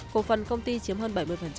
cổ phần công ty chiếm hơn bảy mươi